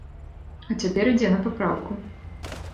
А цяпер ідзе на папраўку.